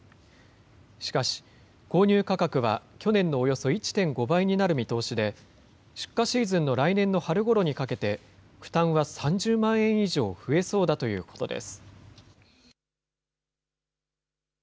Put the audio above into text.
しかし、購入価格は去年のおよそ１．５倍になる見通しで、出荷シーズンの来年の春ごろにかけて、負担は３０万円以上増えそうだということです。